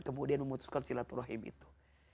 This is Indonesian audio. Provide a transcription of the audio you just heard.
kemudian memutuskan silaturahim itu